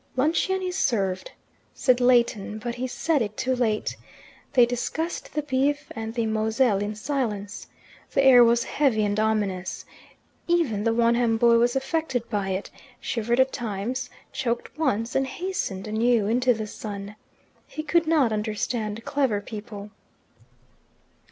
"Luncheon is served," said Leighton, but he said it too late. They discussed the beef and the moselle in silence. The air was heavy and ominous. Even the Wonham boy was affected by it, shivered at times, choked once, and hastened anew into the sun. He could not understand clever people.